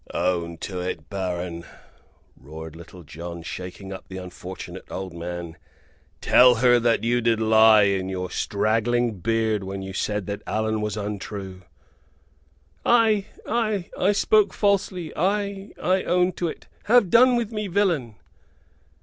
"Own to it, baron!" roared Little John, shaking up the unfortunate old man. "Tell her that you did lie in your straggling beard when you said that Allan was untrue." "Ay, ay, I spoke falsely; ay, I own to it. Have done with me, villain."